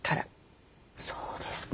そうですか。